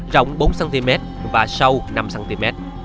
rộng bốn cm và sâu năm cm